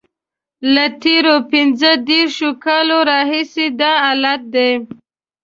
له تېرو پنځه دیرشو کالو راهیسې دا حالت دی.